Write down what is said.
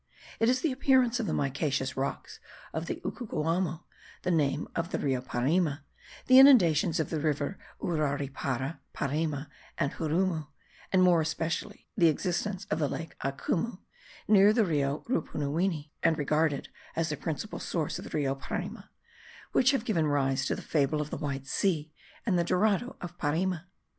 It is the appearance of the micaceous rocks of the Ucucuamo, the name of the Rio Parima, the inundations of the rivers Urariapara, Parima, and Xurumu, and more especially the existence of the lake Amucu (near the Rio Rupunuwini, and regarded as the principal source of the Rio Parima), which have given rise to the fable of the White Sea and the Dorado of Parima.